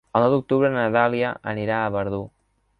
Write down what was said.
El nou d'octubre na Dàlia anirà a Verdú.